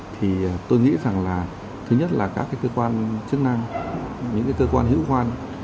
thì tôi nghĩ rằng là thứ nhất là các cơ quan chức năng những cơ quan hữu quan